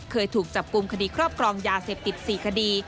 เคยถูกจับกลุ่มคดีครอบครองยาเสพติด๔คดี